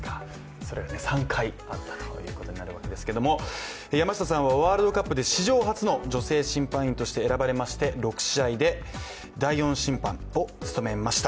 それが３回あったということになるわけですけども、山下さんはワールドカップ史上初の女性審判員として選ばれまして、６試合で第４審判を務めました。